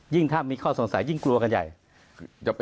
ถ้ามีข้อสงสัยยิ่งกลัวกันใหญ่